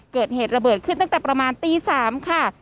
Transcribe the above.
เกิดเหตุระเบิดขึ้นตั้งแต่ประมาณตี๓ค่ะ